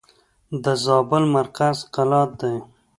د زابل مرکز قلات دئ.